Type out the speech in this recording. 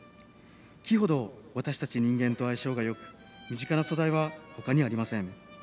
木ほど私たち人間と相性がよく身近な素材は、ほかにありません。